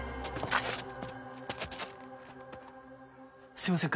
すいません